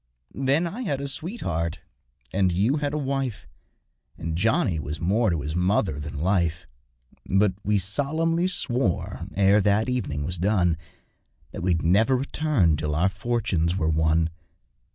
Then I had a sweetheart and you had a wife, And Johnny was more to his mother than life; But we solemnly swore, ere that evening was done, That we'd never return till our fortunes were won.